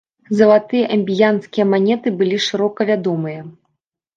Залатыя амбіянскія манеты былі шырока вядомыя.